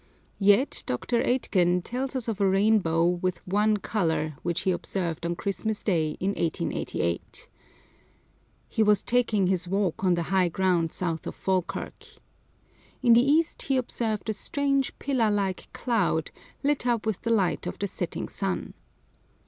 Yet Dr. Aitken tells us of a rainbow with one colour which he observed on Christmas Day, in 1888. He was taking his walk on the high ground south of Falkirk. In the east he observed a strange pillar like cloud, lit up with the light of the setting sun.